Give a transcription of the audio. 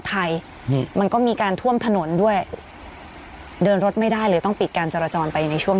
อืมมันก็มีการท่วมถนนด้วยเดินรถไม่ได้เลยต้องปิดการจราจรไปในช่วง